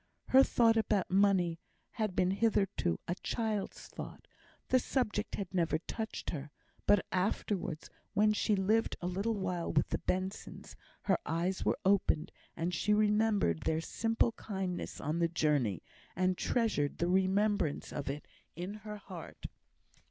Her thought about money had been hitherto a child's thought; the subject had never touched her; but afterwards, when she had lived a little with the Bensons, her eyes were opened, and she remembered their simple kindness on the journey, and treasured the remembrance of it in her heart.